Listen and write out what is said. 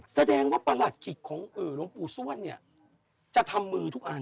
แสดงว่าประหลัดขิกของหลวงปู่ส้วนเนี่ยจะทำมือทุกอัน